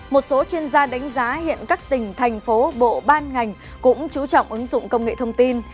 một số chuyên gia đánh giá hiện các tỉnh thành phố bộ ban ngành cũng chú trọng ứng dụng công nghệ thông tin